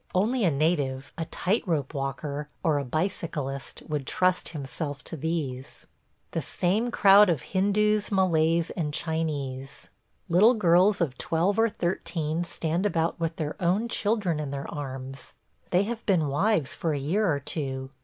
Only a native, a tight rope walker, or a bicyclist would trust himself to these. ... The same crowd of Hindoos, Malays, and Chinese. Little girls of twelve or thirteen stand about with their own children in their arms. They have been wives for a year or two.